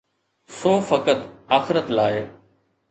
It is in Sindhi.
سو فقط آخرت لاءِ.